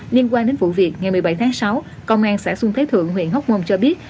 liên quan đến vụ việc ngày một mươi bảy tháng sáu công an xã xuân thế thượng huyện hóc môn cho biết